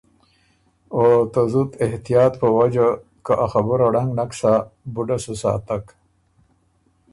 او ته زُت احتیاط په وجه که ا خبُره ړنګ نک سۀ بُډه سو ساتک۔